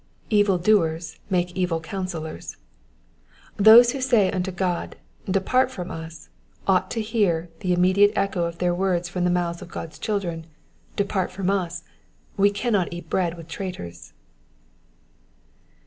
Evil doers make evil coon ' sellors. Those who say unto God, Depart from us,^^ ought to hear the immediate echo of their words from the mouths of God^s cluldren, '^Depart from us. We cannot eat bread with traitors.